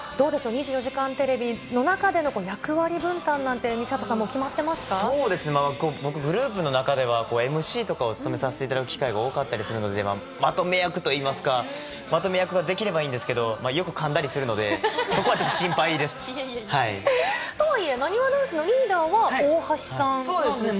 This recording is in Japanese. ２４時間テレビの中での役割分担なんて、そうですね、僕、グループの中ではＭＣとかを務めさせていただく機会が多かったりするので、まとめ役といいますか、まとめ役ができればいいんですけど、よくかんだりするので、とはいえ、なにわ男子のリーそうですね。